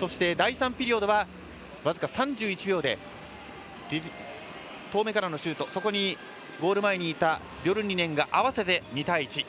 そして、第３ピリオドは僅か３１秒で遠めからのシュートそこにゴール前にいたビョルニネンが合わせて２対１。